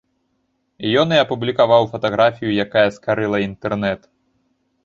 Ён і апублікаваў фатаграфію, якая скарыла інтэрнэт.